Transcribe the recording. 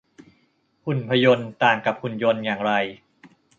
หุ่นพยนต์ ต่างกับหุ่นยนต์อย่างไร